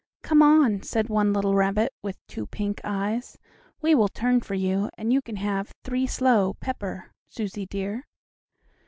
"Come on," said one little rabbit with two pink eyes, "we will turn for you, and you can have 'three slow, pepper,' Susie dear."